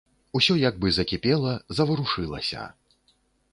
Усё як бы закіпела, заварушылася.